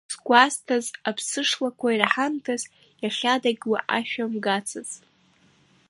Сгәазҭаз аԥсы шлақәа ирҳамҭаз, иахьадагь уи ашәа мгаӡац.